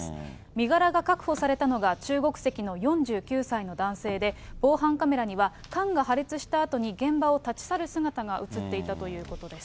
身柄が確保されたのが、中国籍の４９歳の男性で、防犯カメラには、缶が破裂したあとに現場を立ち去る姿が写っていたということです。